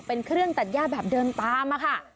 เป็นเครื่องตัดย่าแบบเดินตามอะค่ะ